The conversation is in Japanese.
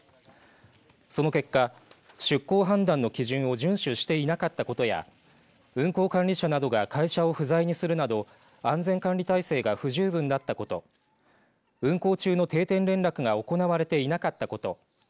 その結果出航判断の基準を順守していなかったことや運航管理者などが会社不在にするなど安全管理体制が不十分だったこと運航中の定点連絡が行われていなかったこと。